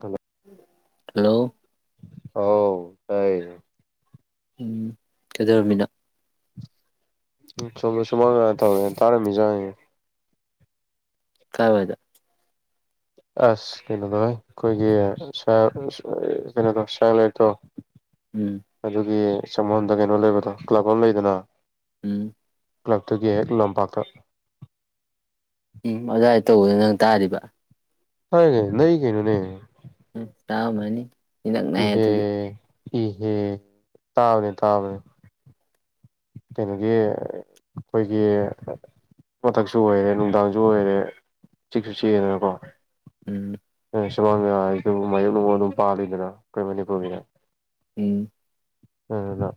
Hello hello ꯍ ꯇꯥꯏ ꯎꯝ ꯀꯩꯗꯧꯔꯕꯃꯤꯅ ꯁꯃ ꯁꯃꯥꯡꯒ ꯌꯥ ꯊ ꯇꯥꯔꯦ ꯃꯤꯖꯑꯦ ꯀꯥꯏ ꯐꯥꯏꯗ ꯑꯁ ꯀꯩꯅꯣꯗꯥꯏ ꯑꯩꯈꯣꯏꯒꯤ ꯀꯩꯅꯣ ꯁꯣ ꯎꯝ ꯑꯗꯨꯒꯤ꯫ [unintelligible] ꯀꯩꯅꯣ ꯂꯩꯕꯗꯣ ꯀ꯭ꯂꯕ ꯑꯃ ꯂꯩꯗꯅ꯫ ꯎꯝ꯫ ꯀ꯭ꯂꯞꯇꯨꯒꯤ ꯍꯦꯛ ꯂꯝꯄꯥꯛꯇ꯫ ꯎꯝ ꯑꯗꯨꯋꯥꯏꯗ ꯇꯧꯕꯗ ꯅꯪ ꯇꯥꯔꯤꯕ꯫ [unintelligible] ꯅꯛꯏ ꯀꯩꯅꯣꯅꯦ꯫ ꯎꯝ ꯇꯥꯃꯅꯤ꯫ ꯏꯅꯛ ꯅꯛꯑꯦ ꯏꯍꯦ ꯗꯨꯗꯤ꯫ ꯏꯍꯦ ꯇꯥꯕꯅꯦ ꯇꯥꯕꯅꯦ꯫ ꯀꯩꯅꯣꯒꯤ ꯈꯣꯏꯒꯤ ꯃꯊꯛꯁꯨ ꯑꯣꯏꯔꯦ ꯅꯨꯡꯗꯥꯡꯁꯨ ꯑꯣꯏꯔꯦ ꯆꯤꯛꯁꯨ ꯆꯤꯛꯑꯦꯗꯅꯀꯣ꯫ ꯎꯝ꯫ ꯁꯨꯃꯥꯡꯗ [unintelligible] ꯃꯥꯏꯌꯣꯛꯅꯨꯡ ꯑꯗꯨꯝ ꯄꯥꯜꯂꯤꯗꯅ ꯑꯩꯈꯣꯏ ꯃꯅꯤꯄꯨꯔꯒꯤꯗꯤ ꯎꯝ꯫ ꯑꯗꯨꯅ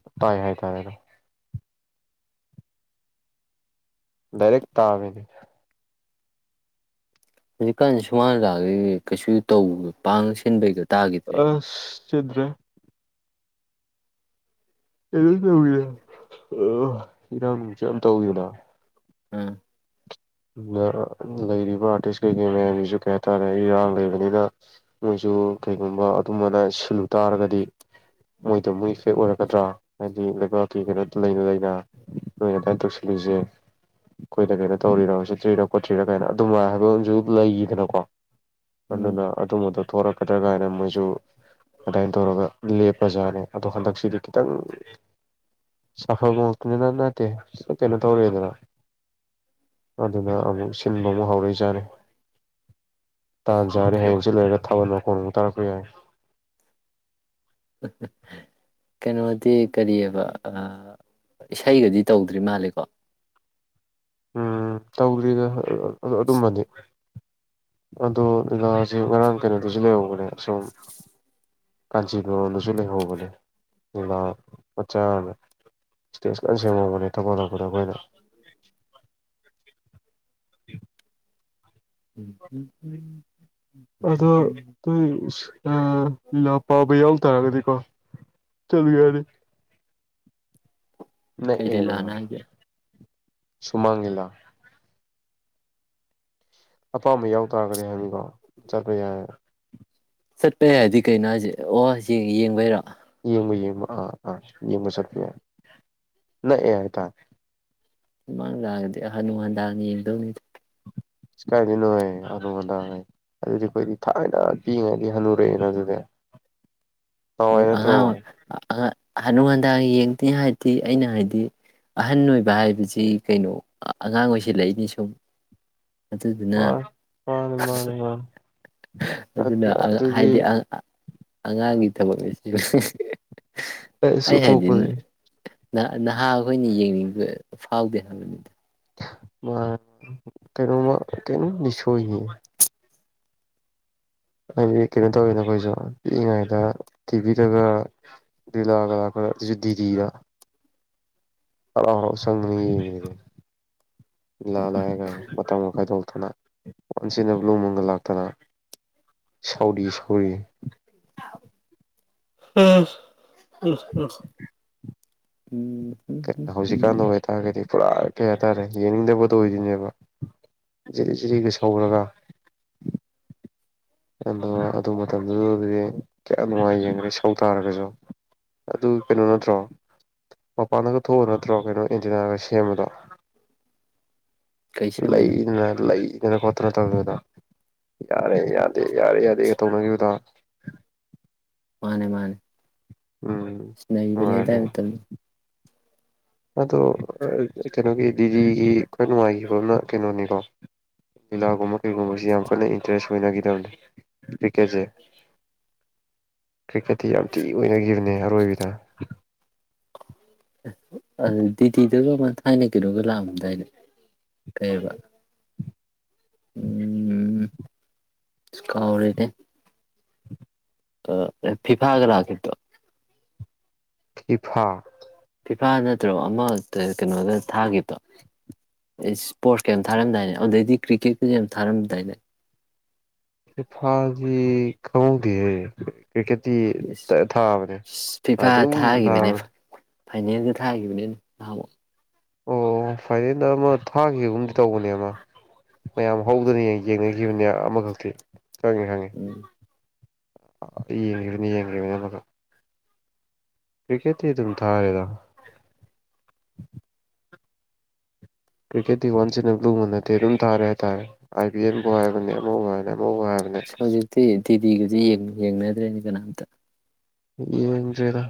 ꯍꯥꯏ ꯇꯔꯦꯅ ꯑꯗꯨꯝ꯫ ꯗꯥꯏꯔꯦꯛ ꯇꯥꯕꯤꯅꯦ꯫ ꯍꯨꯖꯤꯛꯀꯥꯟꯖꯦ ꯁꯨꯃꯥꯡ ꯂꯤꯂꯥꯒ ꯀꯩꯁꯨ ꯇꯧ ꯄꯥꯡ ꯁꯤꯟꯕꯩꯒ ꯇꯥꯈꯤꯗ꯭ꯔꯦ ꯑꯁ꯫ ꯁꯤꯟꯗ꯭ꯔꯦ꯫ ꯀꯝ ꯇꯧꯒꯤꯗꯦ ꯑ ꯏꯔꯥꯡꯅꯨꯡꯁꯨ ꯌꯥꯝ ꯇꯧꯏꯗꯅ꯫ ꯎꯝ꯫ [unintelligible] ꯂꯩꯔꯤꯕ ꯑꯥꯔꯇꯤꯁ ꯀꯩꯀꯩ ꯃꯌꯥꯝꯁꯤꯁꯨ ꯀꯌꯥ [unintelligible] ꯏꯔꯥꯡ ꯂꯩꯕꯅꯤꯅ ꯃꯣꯏꯁꯨ꯫ ꯀꯩꯒꯨꯝꯕ ꯑꯗꯨꯝꯕꯅ ꯁꯤꯜꯂꯨ ꯇꯥꯔꯒꯗꯤ ꯃꯣꯏꯗꯣ ꯃꯣꯏ ꯑꯣꯏꯔꯛꯀꯗ꯭ꯔꯥ ꯍꯥꯏꯗꯤ ꯂꯩꯕꯥꯛ ꯀꯩꯅꯣ ꯂꯩꯅ ꯂꯩꯅ ꯅꯣꯏꯅ ꯑꯗꯨꯃꯥꯏꯅ ꯇꯧꯁꯤꯜꯂꯤꯜꯂꯤꯁꯦ ꯑꯩꯈꯣꯏꯗ ꯀꯩꯅꯣ ꯇꯧ [unintelligible] [unintelligible] ꯇ꯭ꯔꯤꯔꯥ ꯈꯣꯠꯇ꯭ꯔꯤꯅꯥ ꯀꯥꯏꯅ ꯑꯗꯨꯝꯥꯏ ꯍꯥꯏꯕ ꯑꯃꯖꯨ ꯂꯩꯒꯤꯗꯅꯀꯣ꯫ ꯎꯝ ꯑꯗꯨꯅ ꯑꯗꯨꯝꯕꯗꯣ ꯊꯣꯔꯛ ꯀꯗ꯭ꯔꯥ ꯀꯥꯏꯅ ꯃꯣꯏꯁꯨ ꯑꯗ꯭ꯋꯥꯏꯟ ꯇꯧꯔꯒ ꯂꯦꯞ ꯄ꯭ꯔꯖꯥꯅ ꯑꯗꯣ ꯍꯟꯗꯛꯁꯤꯗꯤ ꯈꯤꯇꯪ ꯁꯥꯐꯕ ꯉꯛꯇꯅꯤꯅ-ꯅꯠꯇꯦ ꯀꯩꯅꯣ ꯇꯧꯔꯦꯗꯅ꯫ ꯑꯗꯨꯅ ꯑꯃꯨꯛ ꯁꯤꯟꯕ ꯃꯨꯛ ꯍꯥꯎꯔꯤ [unintelligible] ꯇꯥꯟꯆꯥꯔꯗꯤ ꯑꯣꯀꯦ ꯍꯌꯦꯡ ꯆꯤꯠ ꯂꯩꯔꯒ ꯊꯥꯕꯜ ꯃꯈꯣꯟ ꯇꯥꯔꯄ ꯌꯥꯏ꯫ ꯀꯩꯅꯣꯗꯤ ꯀꯔꯤ ꯑꯕ ꯑ-ꯏꯁꯩꯒꯗꯤ ꯇꯧꯗ꯭ꯔꯤ ꯃꯥꯂꯦꯀꯣ꯫ ꯎꯝ ꯇꯧꯗ꯭ꯔꯤꯗ꯫ ꯑꯗꯣ ꯑꯗꯨꯝꯕꯗꯤ꯫ ꯑꯗꯣ ꯂꯤꯂꯥꯁꯦ ꯉꯔꯥꯡ ꯀꯩꯅꯣꯗꯨꯁꯨ ꯂꯩꯍꯧꯕꯅꯦ ꯑꯁꯣꯨꯝ ꯀꯥꯟꯆꯤꯒꯨꯔꯗꯁꯨ ꯂꯩꯍꯧꯕꯅꯦ ꯂꯤꯂꯥ ꯃꯆꯥꯅ ꯏꯁꯇꯦꯖ ꯀꯟ ꯁꯦꯝꯍꯧꯕꯅꯦ [unintelligible] [unintelligible] ꯑꯗꯣ [unintelligible] [unintelligible] ꯑꯂꯥ ꯄꯥꯕ ꯌꯥꯎ ꯇꯥꯔꯒꯗꯤꯀꯣ [unintelligible] ꯅꯛ ꯀꯩ ꯑꯦꯕ ꯂꯤꯂꯥꯅꯣ ꯍꯥꯏꯁꯦ ꯁꯨꯃꯥꯡ ꯂꯤꯂꯥ ꯑꯄꯥꯝꯕ ꯌꯥꯎ ꯇꯥꯔꯒꯗꯤ ꯍꯥꯏꯗꯤꯀꯣ ꯆꯠꯄ ꯌꯥꯏ ꯆꯠꯄ ꯌꯥꯏꯗꯤ ꯀꯩꯅꯣ ꯍꯥꯏꯁꯦ ꯑꯣ ꯌꯦꯡꯕꯩꯔꯣ ꯌꯦꯡ ꯌꯦꯡꯕ ꯑꯥ ꯑꯥ ꯌꯦꯡꯕ ꯆꯠꯄ ꯌꯥꯏ ꯅꯛꯑꯦ ꯍꯥꯏ ꯇꯥꯔꯦ ꯁꯨꯃꯥꯡ ꯂꯤꯂꯒꯗꯤ ꯍꯅꯨ ꯍꯥꯅꯅꯥ ꯌꯦꯡꯗꯧꯅꯤꯗ ꯀꯥꯏꯗꯅꯣꯏꯍꯦ [unintelligible] ꯑꯗꯨꯗꯤ ꯑꯩꯈꯣꯏꯗꯤ ꯊꯥꯏꯅ ꯄꯤꯉꯩꯗꯤ ꯍꯅꯨꯔꯛꯑꯦꯅ ꯑꯗꯨꯗꯤ ꯅꯍꯥꯟꯋꯥꯏ [unintelligible] ꯅꯠꯇ꯭ꯔꯣ ꯑꯉꯥꯡ ꯍꯥꯅꯨ ꯍꯥꯅꯥ ꯌꯦꯡꯅꯤ ꯍꯥꯏꯗꯤ ꯑꯩꯅ ꯍꯥꯏꯗꯤ ꯑꯍꯟ ꯑꯣꯏꯕ ꯍꯥꯏꯕꯁꯤ ꯀꯩꯅꯣ ꯑꯉꯥꯡ ꯑꯣꯏꯁꯤꯜꯂꯛꯏꯅꯤ ꯁꯨꯝ ꯑꯗꯨꯗꯨꯅ ꯃꯥꯅꯤ ꯃꯥꯅꯤ ꯃꯥꯅꯤ ꯃꯥꯅꯤ ꯑꯗꯨꯅ ꯑꯗꯨꯗꯤ ꯍꯥꯏꯗꯤ [unintelligible] ꯑꯉꯥꯡꯒꯤ [unintelligible] ꯑꯩ [unintelligible] ꯍꯥꯏꯗꯤ ꯊꯣꯛꯄꯁꯦ ꯅꯍꯥ ꯑꯩꯈꯣꯏꯅ ꯌꯦꯡꯅꯤꯡꯕ ꯐꯥꯎꯗꯦ ꯍꯥꯏꯕꯅꯤꯗ [unintelligible] ꯀꯩꯅꯣꯝꯗꯤ ꯁꯣꯏꯅꯦ ꯍꯥꯏꯗꯤ ꯀꯩꯅꯣ ꯇꯧꯏꯅ ꯑꯩꯈꯣꯏꯁꯨ ꯄꯤꯛꯏꯉꯩꯗ ꯇꯤꯚꯤꯗꯒ ꯂꯥꯒ ꯂꯥꯛꯄꯗ ꯑꯗꯨꯁꯨ ꯗꯤꯗꯤꯗ [unintelligible] [unintelligible] ꯋꯥꯟꯁ ꯏꯟ ꯑꯦ ꯕꯂꯨ ꯃꯨꯟ ꯒꯥ ꯂꯥꯛꯇꯅ ꯁꯧꯔꯤ ꯁꯧꯔꯤ [unintelligible] ꯍꯧꯖꯤꯛꯀꯥꯟꯗ ꯎꯝ ꯑꯣꯏꯇꯥꯔꯒꯗꯤ ꯄꯨꯔꯥ ꯀꯩ ꯍꯥꯏꯇꯥꯔꯦ ꯌꯦꯡꯅꯤꯡꯗꯕꯗꯣ ꯑꯣꯏꯗꯣꯏꯅꯦꯕ ꯖꯤꯔꯤ ꯖꯤꯔꯤꯒ ꯁꯧꯔꯒ ꯑꯗꯣ ꯑꯗꯨ ꯃꯇꯝꯗꯨꯗꯗꯤ ꯀꯌꯥꯝ ꯅꯨꯡꯉꯥꯏ ꯌꯦꯡꯈ꯭ꯔꯦ ꯁꯧ ꯇꯥꯔꯒꯁꯨ ꯑꯗꯨ ꯀꯩꯅꯣ ꯅꯠꯇ꯭ꯔꯣ ꯃꯄꯥꯟꯗꯒ ꯊꯣꯛꯑ ꯅꯠꯇ꯭ꯔꯣ ꯀꯩꯅꯣ ꯑꯦꯟꯇꯤꯅꯥꯒ ꯁꯦꯝꯕꯗꯣ ꯀꯩ ꯁꯦꯝꯕꯩꯅꯣ ꯂꯩꯅ ꯂꯩ [unintelligible] ꯌꯥꯔꯦ ꯌꯥꯔꯦ ꯌꯥꯔꯦ ꯌꯥꯔꯦꯒ ꯇꯧꯅꯈꯤꯕꯗꯣ ꯃꯥꯅꯦ ꯃꯥꯅꯦ ꯎꯝ ꯅꯩꯕꯅꯦ ꯑꯗꯥꯏ ꯅꯨꯡꯉꯥꯏꯕꯅꯤ ꯃꯇꯝꯗꯣ ꯑꯗꯣ ꯀꯩꯅꯣꯒꯤ ꯖꯤ ꯗꯤ ꯒꯤ ꯑꯩꯈꯣꯏ ꯅꯨꯡꯉꯥꯏꯈꯤꯕꯅ ꯀꯩꯅꯣꯅꯤꯀꯣ ꯂꯤꯂꯥꯒꯨꯝꯕ ꯀꯩꯒꯨꯝꯕꯁꯤ ꯌꯥꯝ ꯀꯟꯅ ꯏꯟꯇꯔꯦꯁ ꯑꯣꯏꯅꯈꯤꯗꯕꯅꯤ ꯀ꯭ꯔꯤꯀꯦꯠꯁꯦ ꯀ꯭ꯔꯤꯛꯀꯦꯠꯇꯤ ꯌꯥꯝ ꯊꯤ ꯑꯣꯏꯅꯈꯤꯕꯅꯦ ꯑꯔꯣꯏꯕꯤꯗ ꯑꯗꯨ ꯗꯤꯗꯤꯗꯨꯒ ꯑꯃ ꯊꯥꯏꯅꯒꯤꯗꯨꯒ ꯂꯥꯛꯑꯝꯗꯥꯏꯗ ꯀꯩꯕ ꯎꯝ ꯀꯥꯎꯔꯤꯗꯦ ꯑ ꯐꯤꯐꯥꯒ꯭ꯔꯒꯠꯇꯣ ꯐꯤꯐꯥ ꯐꯤꯐꯥ ꯅꯠꯇ꯭ꯔꯒ ꯑꯃ ꯀꯩꯅꯣꯗ ꯊꯥꯈꯤꯕꯣ ꯏꯁꯄꯣꯔꯠꯁ ꯀꯩ ꯊꯥꯔꯝꯗꯥꯏꯅꯦ ꯑꯗꯨꯗꯩꯗꯤ ꯀ꯭ꯔꯤꯛꯀꯦꯠꯀ ꯌꯥꯝ ꯊꯥꯔꯝꯗꯥꯏꯅꯦ ꯁꯤꯐꯥꯖꯤ ꯈꯪꯍꯧꯗꯦꯍꯦ ꯀ꯭ꯔꯤꯛꯀꯦꯠꯇꯤ ꯊꯥꯕꯅꯦ ꯑꯗꯨꯝ ꯊꯥꯕꯅꯦ ꯐꯥꯏꯅꯦꯜꯗ ꯊꯥꯈꯤꯕꯅꯦ ꯑꯗꯨ ꯅꯍꯃꯣꯛ ꯑꯣ ꯐꯥꯏꯅꯦꯦꯟꯗ ꯑꯃ ꯊꯥꯈꯤꯕꯒꯨꯝꯗꯤ ꯇꯧꯕꯅꯦ ꯑꯃ ꯃꯌꯥꯝ ꯍꯧꯗꯅ ꯌꯦꯡꯅꯈꯤꯕꯅꯦ ꯑꯃꯈꯛꯇꯤ ꯈꯪꯉꯤ ꯍꯪꯉꯤ ꯎꯝ ꯌꯦꯡꯅꯤ ꯌꯦꯡꯅꯤ ꯀ꯭ꯔꯤꯀꯦꯠꯇꯤ ꯑꯗꯨꯝ ꯊꯥꯔꯦꯗ ꯀ꯭ꯔꯤꯀꯦꯠꯇꯤ ꯋꯥꯟꯁ ꯑꯦꯟ ꯑꯦ ꯭ꯂꯨꯃ ꯅꯠꯇꯦ ꯑꯗꯨꯝ ꯊꯥꯔꯦ ꯍꯥꯏꯇꯥꯔꯦ ꯑꯥꯏ ꯄꯤ ꯑꯦꯜꯕꯨ ꯍꯥꯏꯕꯅꯦ ꯑꯃꯕꯨ ꯍꯥꯏꯔꯅꯦ ꯁꯖꯤꯗꯤꯤ ꯗꯤꯒꯁꯦꯡ ꯌꯦꯡꯅꯗ꯭ꯔꯦꯅꯤ ꯀꯅꯥꯝꯇ ꯌꯦꯡꯗ꯭ꯔꯦꯗ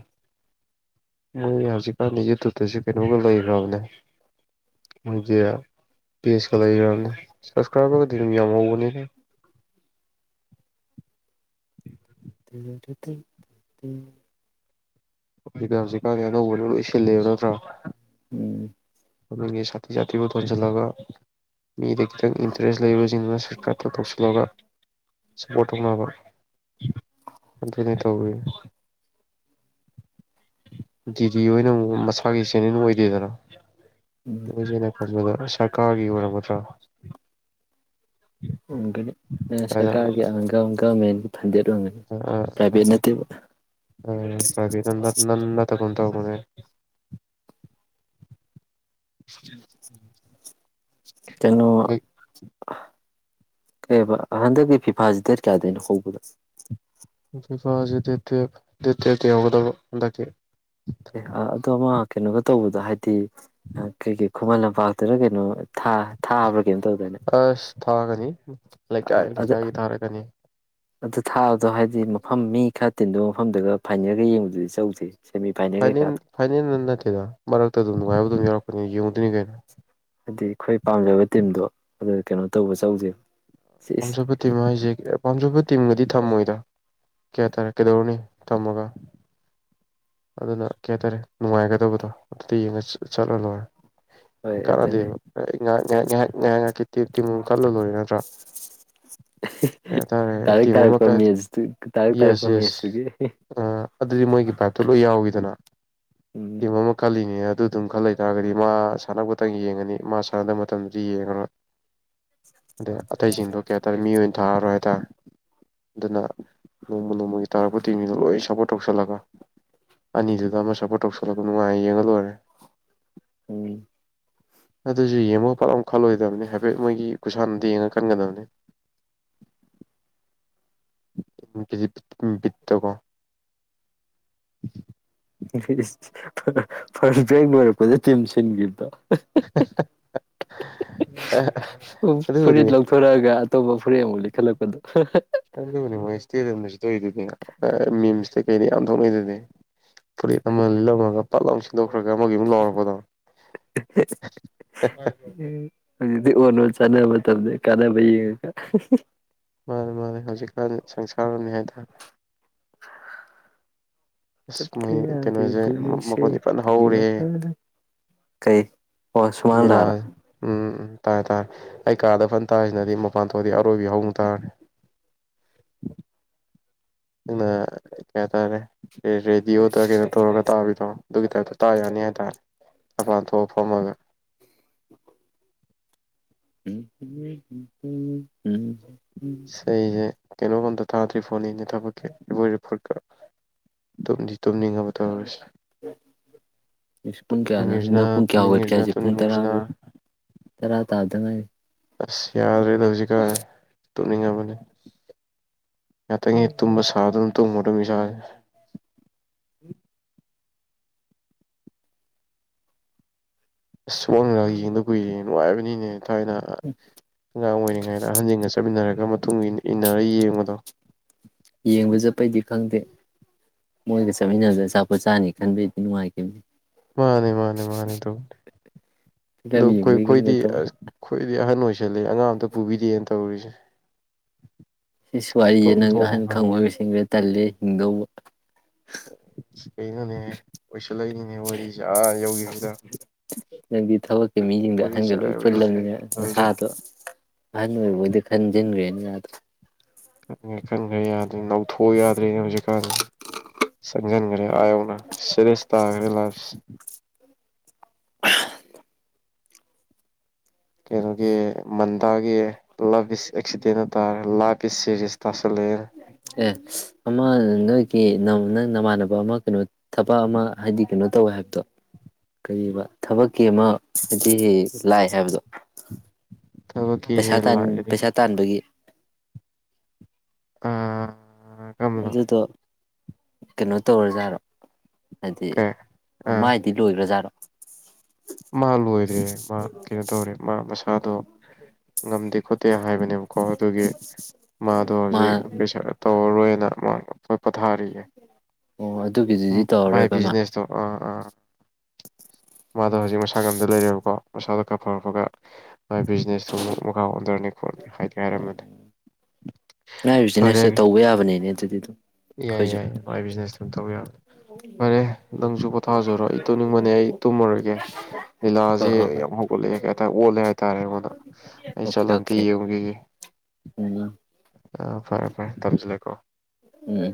ꯃꯣꯏ ꯍꯧꯖꯤꯛꯀꯥꯟ ꯌꯨꯇꯨꯕꯇꯁꯨ ꯀꯩꯅꯣꯒ ꯂꯩꯈ꯭ꯔꯕꯅꯦ ꯃꯣꯏꯒꯤ ꯄꯤ ꯑꯩꯆ ꯀꯂꯔ ꯁꯁꯀ꯭ꯔꯥꯏꯕꯔ ꯔꯃꯤꯌꯥꯒꯅꯤꯅꯦ ꯑꯗꯨ ꯍꯧꯖꯤꯛꯗ ꯍꯧꯖꯤꯛꯀꯥꯟꯗꯤ ꯑꯅꯧꯕꯅ ꯂꯣꯏ ꯁꯤꯜꯂꯦꯕ ꯅꯠꯇ꯭ꯔꯣ ꯎꯝ [unintelligible] ꯁꯥꯊꯤꯖꯇꯤꯕꯨ ꯊꯣꯟ ꯆꯜꯂꯒ ꯃꯤꯗ ꯈꯤꯇꯪ ꯏꯟꯇꯔꯦꯁ ꯂꯩꯕꯁꯤꯡꯗꯨꯅ ꯁ꯭ꯋꯔꯤꯠꯀꯥꯞꯇ ꯇꯧꯁꯤꯜꯂꯒ ꯁꯞꯄꯣꯔꯠ ꯇꯧꯅꯕ ꯑꯗꯨꯅ ꯇꯧꯋꯤ ꯗꯤꯗꯤ ꯑꯣꯏꯅ ꯑꯃꯨ ꯃꯁꯥꯒꯤ ꯏ ꯆꯦꯅꯦꯦꯟ ꯑꯣꯏꯗꯦꯗꯅ ꯅ ꯈꯔꯒ ꯁꯔꯀꯥꯔꯒꯤ ꯑꯣꯏꯔꯒꯗ꯭ꯔꯥ ꯁꯇꯔꯒ ꯏꯪꯪꯀ ꯃ ꯑꯥ [unintelligible] ꯇꯥ ꯄꯨꯟ ꯇꯧꯕꯅꯦ ꯀꯩꯅꯣ ꯑꯦꯕ ꯍꯟꯗꯛꯀꯤ ꯐꯤꯐꯥꯁꯤ ꯗꯦꯠ ꯀꯌꯥꯗꯅꯣ ꯍꯧꯕꯗ ꯏꯝꯐꯥꯜꯁꯤꯦ ꯗꯦꯠ ꯇꯨꯌꯦꯞ ꯗꯦꯠ ꯇꯨꯌꯦꯜꯞꯇ ꯌꯧꯒꯗꯕ ꯍꯟꯗꯛꯇꯤ ꯑꯦ ꯑ ꯑꯗꯨꯗꯣ ꯑꯃ ꯀꯩꯅꯣꯒ ꯇꯧꯕꯗ ꯍꯥꯏꯗꯤ ꯍ ꯀꯦ ꯀꯦꯦ ꯈꯨꯃꯟ ꯂꯝꯄꯥꯛꯇꯨꯅ ꯀꯩꯅꯣ ꯊꯥꯕ ꯑꯁ ꯊꯥꯒꯅꯤ ꯂꯩꯀꯥꯏ ꯑꯗꯨ ꯂꯩꯀꯥꯏꯒꯤ ꯊꯥꯔꯛꯀꯅꯤ ꯑꯗꯨ ꯊꯥꯕꯗꯣ ꯍꯥꯏꯗꯤ ꯃꯐꯝ ꯃꯤ ꯈꯔ ꯇꯤꯟꯗꯧꯕ ꯃꯐꯝꯗꯒ ꯐꯥꯏꯅꯦꯜꯒ ꯌꯦꯡꯕꯗꯨꯗꯤ ꯆꯧꯖꯤꯍꯦ ꯐꯥꯏꯅꯦꯟ ꯐꯥꯏꯅꯦꯜ ꯅꯠ ꯅꯠꯇꯦꯗ ꯃꯔꯛꯇ ꯑꯗꯨꯝ ꯅꯨꯡꯉꯥꯏꯕ ꯑꯗꯨꯝ ꯌꯥꯎꯔꯛꯄ ꯑꯩꯈꯣꯏꯅꯤ ꯌꯦꯡꯉꯨꯗꯣꯏꯅꯤ ꯀꯩꯅꯣ ꯍꯥꯏꯗꯤ ꯑꯩꯈꯣꯏ ꯄꯥꯝꯖꯕ ꯇꯤꯝꯗꯣ ꯑꯗꯨ ꯀꯩꯅꯣ ꯇꯧꯕ ꯆꯧꯖꯦ ꯄꯥꯝꯖꯕ ꯇꯤꯝ ꯍꯥꯏꯖꯦ ꯑ ꯄꯥꯝꯖꯕ ꯇꯤꯝꯒꯗꯤ ꯊꯝꯃꯣꯏꯗ ꯀꯌꯥ ꯇꯥꯔꯦ ꯀꯩꯗꯧꯔꯨꯅꯤ ꯊꯝꯃꯒ ꯑꯗꯨꯅ ꯀꯩ ꯍꯥꯏꯇꯥꯔꯦ ꯅꯨꯡꯉꯥꯏꯒꯗꯕꯗꯣ ꯑꯗꯨꯇ ꯌꯦꯡꯉ ꯆꯠ ꯆꯠꯂ ꯂꯣꯏꯔꯦ ꯍꯣꯏ ꯑꯗꯨꯅꯦ ꯀꯥꯟꯅꯗꯦꯕ ꯑ ꯑꯩ ꯉꯍꯥꯛ-ꯉꯍꯥꯛ -ꯉꯥꯏꯍꯥꯛ-ꯉꯥꯏꯍꯥꯛ- ꯉꯥꯏꯍꯥꯛꯀꯤ ꯇꯤꯝ ꯇꯤꯑꯃꯨꯛ ꯈꯜꯂ ꯂꯣꯏꯔꯦ ꯅꯠꯇ꯭ꯔꯥ ꯑꯦ ꯀꯩ ꯍꯦ-ꯍꯦ ꯍꯥꯏꯇꯥꯔꯦ ꯇꯥꯔꯛ ꯇꯤꯝ ꯑꯃ ꯇꯥꯔꯛꯄ ꯀ ꯃꯦꯁ ꯇꯨ ꯇꯥꯔꯛ ꯇꯥꯔꯛꯄ ꯌꯦꯁ ꯌꯦꯁ ꯃꯦꯁꯇꯨꯒꯤ ꯑꯗꯨ ꯂꯣꯏ ꯌꯥꯎꯋꯤꯗꯅ ꯇꯤꯝ ꯑꯃ ꯈꯜꯂꯤꯅꯦꯅ ꯑꯗꯨꯗꯨꯝ ꯈꯜ ꯂꯩꯇꯥꯥꯔꯒꯗꯤ ꯃꯥ ꯁꯥꯟꯅꯕꯇꯪ ꯌꯦꯡꯉꯅꯤ ꯃꯥ ꯁꯥꯟꯅꯗꯕ ꯃꯇꯝꯗꯗꯤ ꯌꯦꯡꯉꯔꯣꯏ ꯑꯗꯩ ꯑꯇꯩꯁꯤꯡꯗꯣ ꯀꯩ ꯍꯥꯏꯇꯔꯦ ꯃꯤ ꯑꯣꯏꯅ ꯊꯥꯔꯔꯣꯏ ꯍꯥꯏꯇꯔꯦ ꯑꯗꯨꯅ ꯅꯣꯡꯃ ꯅꯣꯡꯃꯒꯤ ꯇꯥꯔꯛꯄ ꯇꯤꯝꯖꯤꯡꯗꯣ ꯂꯣꯏꯅ ꯁꯄꯣꯔꯠ ꯇꯧꯁꯜꯂꯒ ꯑꯅꯤꯗꯨꯗ ꯑꯃ ꯁꯄꯣꯔꯠ ꯇꯧꯁꯜꯂꯒ ꯅꯨꯡꯉꯥꯏ ꯌꯦꯡꯉ ꯂꯣꯏꯔꯦ꯫ ꯎꯝ ꯑꯗꯨꯁꯨ ꯌꯦꯡꯕꯒ ꯐꯠ ꯂꯥꯎꯅ ꯈꯜꯂꯣꯏꯗꯕꯅꯤ ꯍꯥꯏꯐꯦꯠ ꯃꯣꯏꯒꯤ ꯈꯨꯁꯥꯟꯅꯗꯣ ꯌꯦꯡꯉ ꯈꯟꯒꯗꯕꯅꯤ ꯎꯝ ꯄꯤ ꯖꯤ ꯎꯝ ꯕꯤꯠꯇꯀꯣ꯫ [inaudible] ꯁꯤ ꯏꯁ ꯐꯥꯔꯁ ꯐꯥꯔꯁ ꯕ꯭ꯔꯦꯛ ꯂꯣꯏꯔꯛꯄꯗ ꯇꯤꯝ ꯁꯤꯟꯒꯤꯕꯗꯣ꯫ ꯑ ꯍ-ꯍ- ꯍ-ꯍ-ꯍꯍ- ꯑꯦ ꯁꯍ ꯑꯗꯨꯕꯨꯗꯤ ꯐꯨꯔꯤꯠ ꯂꯧꯊꯣꯔꯛꯑꯒ ꯑꯇꯣꯞꯄ ꯐꯨꯔꯤꯠ ꯑꯃꯨꯛ ꯂꯤꯠꯈꯠꯂꯛꯄꯗꯣ ꯍ-ꯍ- ꯑꯗꯨꯕꯨꯗꯤ ꯃꯣꯏ ꯏꯁꯇꯦꯗꯤꯌꯝꯗꯖꯨ ꯇꯧꯔꯤꯗꯨꯗꯤ ꯑꯑ- ꯃꯤꯝꯁꯇꯩ ꯀꯩꯗꯩ ꯌꯥꯝ ꯊꯣꯛꯅꯩ ꯗꯨꯗꯤ꯫ ꯐꯨꯔꯤꯠ ꯑꯃ ꯂꯤꯠꯂꯝꯃꯒ ꯇꯛ ꯂꯥꯎꯅ ꯁꯤꯜ ꯗꯣꯛꯈꯔꯒ ꯑꯃꯒꯤꯃꯨꯛ ꯂꯥꯎꯔꯛꯄꯗꯣ ꯍꯥ-ꯍꯥ- ꯆꯥꯅꯕ ꯃꯇꯝꯅꯦ ꯀꯥꯅꯕ ꯌꯦꯡꯉꯒ꯫ ꯃꯟꯅꯦ ꯃꯟꯅꯦ ꯍꯧꯖꯤꯛꯀꯥꯟꯒꯤ ꯁꯪꯁꯥ ꯉꯥꯎꯔꯕꯅꯤ ꯍꯥꯏꯇꯥꯔꯦ ꯑꯁ ꯆꯠꯀꯦ ꯃꯣꯏ ꯀꯩꯅꯣꯁꯦ ꯌꯥꯗꯦꯕꫭ ꯅꯨꯡꯁꯤ ꯃꯈꯣꯟꯗꯤ ꯐꯅ ꯅꯪꯒꯤ ꯋꯥꯈꯜꯅ ꯀꯩ ꯑꯣ ꯁꯨꯃꯥꯡ ꯂꯥꯛꯑꯔ ꯂꯤꯂꯥꯥꯖꯦ ꯎꯝ ꯇꯥꯔꯦ ꯇꯥꯔꯦ ꯑꯩ ꯀꯥꯗ ꯐꯟ ꯇꯥꯔꯤꯖꯤꯅꯗꯤ ꯃ ꯄꯥꯟꯊꯣꯛꯑꯗꯤ ꯑꯔꯣꯏꯕꯤ ꯍꯧꯅ ꯇꯥꯔꯅꯤ ꯅꯪꯅ ꯀꯌꯥ ꯇꯥꯔꯦ ꯑꯦ ꯔꯦꯗꯤꯑꯣꯗ ꯀꯩꯅꯣ ꯇꯧꯔꯒ ꯇꯥꯕꯤꯗꯣ ꯑꯗꯨꯒꯤ ꯇꯥꯏꯞꯇ ꯇꯥ ꯌꯥꯅꯤ ꯍꯥꯏꯇꯥꯔꯦ ꯃꯄꯥꯟ ꯊꯣꯛꯑ ꯐꯝꯃꯒ ꯎ ꯎ ꯎꯝ ꯎꯝ ꯀꯩꯅꯣꯝ ꯑꯝꯇ ꯊꯥꯗ꯭ꯔꯤ ꯐꯣꯟꯅꯤꯅꯦ ꯊꯕꯛꯀꯤ ꯏꯕꯣꯏ ꯔꯤꯄꯣꯔꯠꯀ ꯇꯨꯝꯅꯤꯡꯉꯕ ꯇꯧꯔꯁꯦ ꯄꯨꯡ ꯇꯨꯝꯅꯤꯡꯉꯤꯁꯤꯅ ꯀꯌꯥꯅꯅꯪ ꯄꯨꯡ ꯀꯌꯥ ꯍꯧꯒꯠꯀꯦ ꯇꯨꯝꯅꯤꯡꯉꯤꯁꯤꯅ ꯍꯥꯏꯁꯦ ꯄꯨꯡ ꯇꯨꯝꯅꯤꯡꯉꯤꯁꯤꯅ ꯀꯌꯥꯕꯥꯑꯣ ꯇꯔꯥ ꯇꯥꯗ ꯉꯥꯏ ꯑꯁ ꯌꯥꯗ꯭ꯔꯦꯗ ꯍꯧꯖꯤꯛꯀꯥꯟ ꯇꯨꯝꯅꯤꯡꯉꯕꯅꯤ ꯉꯥꯛꯇꯪꯒꯤ ꯇꯨꯝꯕ ꯁꯥꯗꯨ ꯑꯗꯨꯝ ꯇꯨꯝꯉꯗ ꯏꯁ ꯎꯟ ꯁꯨꯃꯥꯡ ꯂꯤꯂꯒꯥ ꯌꯦꯪꯗ ꯀꯨꯏꯔꯦ ꯅꯨꯡꯉꯥꯏꯕꯅꯤꯅꯦ ꯊꯥꯏꯅ ꯑꯉꯥꯡ ꯑꯣꯏꯔꯤꯉꯩꯗ ꯑꯍꯟꯁꯤꯡꯒ ꯆꯠꯃꯤꯟꯅꯔꯒ [unintelligible] ꯏꯟꯅꯔ ꯌꯦꯡꯕꯗꯣ ꯌꯦꯡꯕ ꯆꯠꯄꯩꯗꯤ ꯈꯪꯗꯦ ꯃꯣꯏꯒ ꯆꯠꯃꯤꯟꯅꯕꯗ ꯑꯆꯥꯄꯣꯠ ꯆꯥꯅꯤ ꯈꯟꯕꯩꯗꯤ ꯅꯨꯡꯉꯥꯏꯈꯤꯕꯅꯤ ꯃꯥꯅꯦ ꯃꯥꯅꯦ ꯃꯥꯅꯤ ꯇꯧꯕꯅꯦ ꯐꯤꯂꯝ ꯑ ꯌꯦꯡꯕꯩ ꯈꯛ ꯑꯩꯣꯏꯈꯣꯏꯗꯤ ꯅꯠꯇꯕ ꯑꯁ ꯈꯣꯏ ꯑꯍꯅ ꯑꯣꯏ ꯂꯦ ꯑꯥꯡ ꯑꯝꯇ ꯄꯨꯕꯤꯗꯦꯅ ꯇꯧꯔꯤꯁꯦ ꯏꯁ ꯋꯥꯔꯤꯁꯦ ꯇꯣꯛ ꯅꯪ ꯑꯍꯜ ꯈꯪ ꯊꯣꯛꯑꯕꯅꯦ ꯑꯣꯏꯕꯁꯤꯡꯗ ꯇꯜꯂꯦ ꯍꯤꯡꯗꯧꯕ [inaudible] ꯀꯩꯅꯣꯅꯦ ꯑꯣꯏꯁꯜꯂꯛꯅꯤꯅꯦ ꯋꯥꯔꯤꯁꯦ ꯑꯥ ꯌꯧꯈꯤꯕꯁꯤꯗ ꯅꯪꯗꯤ ꯊꯕꯛꯀꯤ ꯃꯤꯁꯤꯡꯗ ꯋꯥꯔꯤꯁꯦ ꯑꯍꯟꯒ ꯑ ꯂꯣꯏ ꯌꯧ ꯄꯨꯜꯂꯕꯅꯤꯅ ꯇꯧꯔꯤꯁꯦ ꯅꯁꯥꯗꯣ ꯑꯍꯟ ꯑꯣꯏꯔꯕꯣꯏꯗ ꯈꯟꯖꯤꯟꯈ꯭ꯔꯦꯅꯗ ꯈꯟꯈ꯭ꯔꯦ ꯈꯟꯈ꯭ꯔꯦ ꯌꯥꯗ꯭ꯔꯦ ꯅꯧꯊꯣꯛꯎ ꯌꯥꯗ꯭ꯔꯦꯅꯦ ꯍꯧꯖꯤꯛꯀꯥꯟꯁꯤ ꯆꯪꯖꯤꯪꯒꯔꯦ ꯑꯌꯧꯟ ꯁꯦꯔꯦꯁ ꯇꯒꯥꯔꯦ ꯂꯥꯕ ꯀꯩꯅꯣꯒꯤ ꯃꯟꯗꯥꯒꯤ ꯂꯚ ꯏꯁ ꯑꯦꯛꯁꯤꯗꯦꯟ ꯍꯥꯏꯇꯥꯥꯔꯦ ꯂ ꯏꯁ ꯁꯤꯦꯔꯤꯌꯥꯁ ꯇꯥꯁ ꯑꯦ ꯑꯃ ꯅꯣꯏꯒꯤ ꯅꯪ ꯅꯪ ꯅꯃꯥꯟꯅꯕ ꯑꯃ ꯀꯩꯅꯣ ꯊꯕꯛ ꯑꯃ ꯍꯥꯏꯗꯤ ꯀꯩꯅꯣ ꯇꯧꯋꯦ ꯍꯥꯏꯕꯗꯣ ꯀꯨꯝ ꯊꯕꯛꯀꯤ ꯑꯃ ꯍꯥꯏꯗꯤ ꯂꯥꯛ ꯍꯥꯏꯕꯗꯣ ꯊꯕꯛꯀꯤ ꯄꯩꯁꯥ ꯍꯦꯜ ꯂꯥꯛꯑꯦ ꯄꯩꯁꯥ ꯇꯥꯟꯕꯒꯤ ꯑꯥ ꯀꯔꯝꯕꯅꯣ ꯑꯗꯨꯗꯣ ꯀꯩꯅꯣ ꯇꯧꯔꯖꯥꯠꯂꯣ ꯍꯥꯏꯗꯤ ꯀꯩ ꯑꯥ ꯃꯥꯗꯤ ꯂꯣꯏꯈ꯭ꯔꯥꯖꯥꯠꯂꯣ ꯃꯥ ꯂꯣꯏꯗ꯭ꯔꯦ ꯃꯥ ꯀꯩꯅꯣ ꯇꯧꯔꯦ ꯃꯥ ꯃꯁꯥꯗꯣ ꯉꯝꯗꯦ ꯍꯥꯏꯕꯅꯦꯕꯀꯣ ꯑꯗꯨꯒꯤ ꯃꯥꯗꯣ ꯍꯧꯖꯤꯛ ꯃꯥ ꯄꯩꯁꯥ ꯇꯧꯔꯔꯣꯏꯅ ꯃꯥꯣꯏ ꯄꯣꯊꯥꯔꯤꯌꯦꯦ ꯑꯣ ꯑꯗꯨꯒꯤꯗꯨꯗꯤ ꯃꯥꯏ ꯇꯧꯔꯔꯣꯏꯕ ꯃꯥ ꯕꯤꯖꯤꯅꯦꯁꯇꯣ ꯑꯥ ꯑꯥ ꯃꯁꯥ ꯉꯝꯗ ꯂꯩꯔꯦꯕꯀꯣ ꯃꯁꯥꯗꯣ ꯈꯔꯥ ꯐꯔꯛꯄꯒ ꯕꯤꯖꯤꯅꯦꯁꯇꯨ ꯃꯨꯛ ꯃꯈꯥ ꯑꯣꯟꯊ꯭ꯔꯅꯤ ꯈꯣꯠꯅꯤ ꯍꯥꯏꯗꯤ ꯍꯥꯏꯔꯝꯕꯅꯤ ꯉꯥꯏꯔꯤꯖꯤꯅꯦꯁꯨ ꯇꯧꯕ ꯌꯥꯕꯅꯦꯅꯦ ꯑꯗꯨꯗꯤ ꯑꯗꯨꯝ ꯌꯥꯏ ꯈꯣꯏꯖꯨ ꯌꯥꯏ ꯃꯥꯏ ꯕꯤꯖꯤꯅꯦꯁ ꯑꯗꯨꯝ ꯇꯧ ꯌꯥꯕꯅꯤ ꯐꯔꯦ ꯅꯪꯖꯨ ꯄꯣꯊꯥꯖꯔꯣ ꯑꯩ ꯇꯨꯝꯅꯤꯡꯕꯅꯦ ꯑꯩ ꯇꯨꯝꯃꯨꯔꯒꯦ ꯍꯣꯏ ꯂꯤꯂꯥꯖꯦ ꯍꯣꯏ ꯍꯣꯏ ꯌꯥꯝ ꯍꯧꯒꯠꯂꯦꯑꯦ ꯀꯩ ꯍꯥꯏꯇꯥ ꯑꯣꯜꯂꯦ ꯍꯥꯏꯇꯥꯔꯦ ꯑꯩꯉꯣꯟꯗ ꯑꯩ ꯑꯣꯀꯦ ꯆꯠꯂꯝꯇ ꯑꯣꯀꯦ ꯌꯦꯡꯉꯨꯒꯤꯒꯦ ꯎꯝ ꯑ ꯐꯔꯦ ꯐꯔꯦ ꯊꯝꯁꯤꯜꯂꯦꯀꯣ ꯎꯝ